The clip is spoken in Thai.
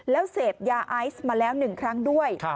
แล้วเสพยาไอซ์มาแล้ว๑ครั้งด้วย